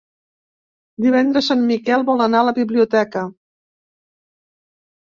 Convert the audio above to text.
Divendres en Miquel vol anar a la biblioteca.